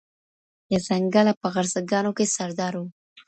د ځنګله په غرڅه ګانو کي سردار وو